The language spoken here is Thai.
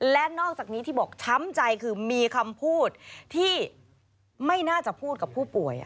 และนอกจากนี้ที่บอกช้ำใจคือมีคำพูดที่ไม่น่าจะพูดกับผู้ป่วย